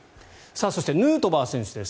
そして、ヌートバー選手です。